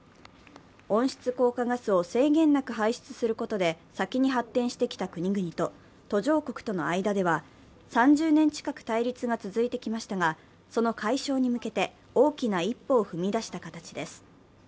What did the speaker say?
温室効果ガスを制限なく排出することで先に発展してきた国々と途上国との間では、３０年近く対立が続いてきましたが、その解消に向けて、大きな一歩を踏み出した形です。